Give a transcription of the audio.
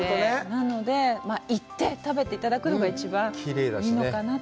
だから、行って食べていただくのが一番いいのかなと。